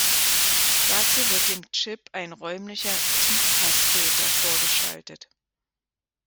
Dazu wird dem Chip ein räumlicher Tiefpassfilter vorgeschaltet.